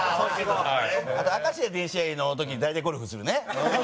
あと『明石家電視台』の時に大体ゴルフするね。